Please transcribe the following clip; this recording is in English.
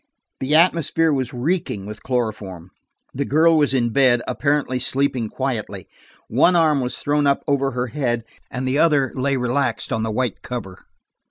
The atmosphere was reeking with chloroform. The girl was in bed, apparently sleeping quietly. One arm was thrown up over her head, and the other lay relaxed on the white cover.